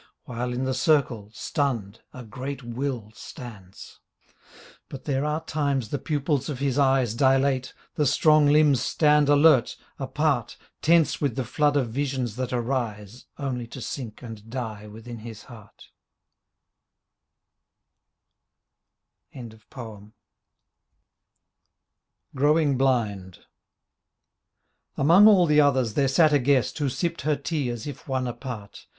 While in the circle, stunned, a great will stands. But there are times the pupils of his eyes Dilate, the strong limbs stand alert, apart, Tense with the flood of visions that arise Only to sink and die within his heart; 44 GROWING BLIND Among all the others there sat a guest Who sipped her tea as if one apart.